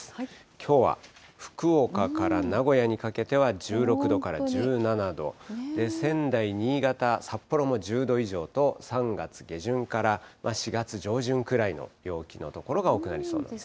きょうは福岡から名古屋にかけては１６度から１７度、仙台、新潟、札幌も１０度以上と、３月下旬から４月上旬くらいの陽気の所が多くなりそうですね。